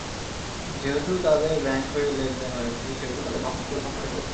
যেহেতু তাদের ব্যাংক হয়ে লেনদেন হয়েছে, সেহেতু তাদের ভাবমূর্তিও সংকটে পড়েছে।